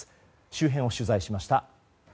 周辺を取材しました。